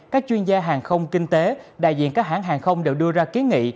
các chuyên gia hàng không kinh tế đại diện các hãng hàng không đều đưa ra kiến nghị